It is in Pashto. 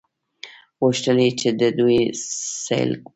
غوښتل یې چې د دوی سیل وکړي.